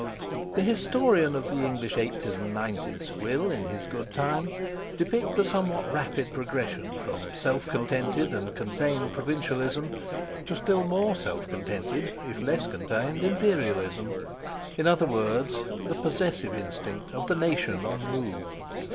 The historian of the English eighties and nineties will, in his good time, depict the somewhat rapid progression from self contented and contained provincialism to still more self contented if less contained imperialism—in other words, the "possessive" instinct of the nation on the move.